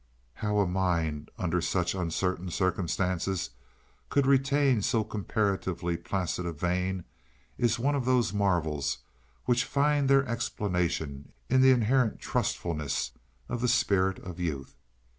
How a mind under such uncertain circumstances could retain so comparatively placid a vein is one of those marvels which find their explanation in the inherent trustfulness of the spirit of youth.